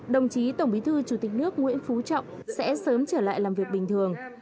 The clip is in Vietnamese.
đồng chí tổng bí thư chủ tịch nước nguyễn phú trọng sẽ sớm trở lại làm việc bình thường